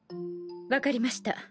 分かりました。